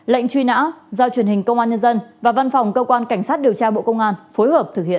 lệnh truy nã do truyền hình công an nhân dân và văn phòng cơ quan cảnh sát điều tra bộ công an phối hợp thực hiện